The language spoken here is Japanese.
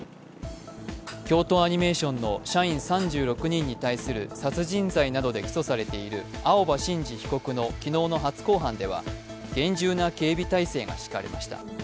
京都アニメーションの社員３６人に対する殺人罪などで起訴されている青葉真司被告の昨日の初公判では厳重な警備態勢が敷かれました。